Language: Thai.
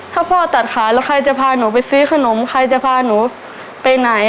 ถ้าพ่อตัดขายแล้วใครจะพาหนูไปซื้อขนมใครจะพาหนูไปไหน